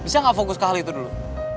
bisa nggak fokus ke hal itu dulu